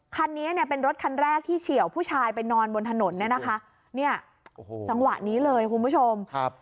คันนี้เนี่ยเป็นรถคันแรกที่เฉียวผู้ชายไปนอนบนถนนเนี่ยนะคะเนี่ยโอ้โหจังหวะนี้เลยคุณผู้ชมครับ